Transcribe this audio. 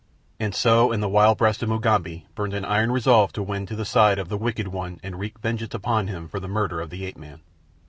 And so in the wild breast of Mugambi burned an iron resolve to win to the side of the wicked one and wreak vengeance upon him for the murder of the ape man.